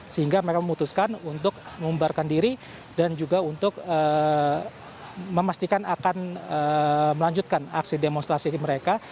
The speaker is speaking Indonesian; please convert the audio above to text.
sehingga mereka memutuskan untuk mengumbarkan diri dan juga untuk memastikan akan melanjutkan aksi demonstrasi mereka